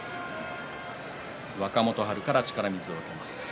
若元春から力水を受けます。